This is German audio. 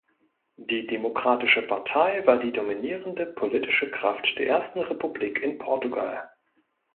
Die Demokratische Partei war die dominierende politische Kraft der Ersten Republik in Portugal.